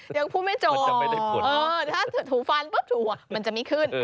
ยังพูดไม่จบถ้าถูฟันมันจะไม่ขึ้น